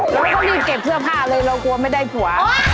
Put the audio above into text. เราก็รีบเก็บเสื้อผ้าเลยเรากลัวไม่ได้ผัว